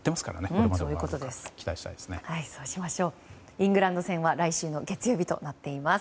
イングランド戦は来週の月曜日となっています。